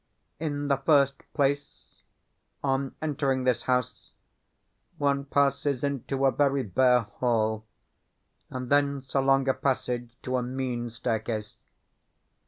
In the first place, on entering this house, one passes into a very bare hall, and thence along a passage to a mean staircase.